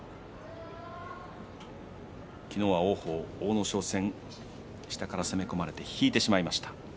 昨日は王鵬、阿武咲戦下から攻め込まれて引いてしまいました。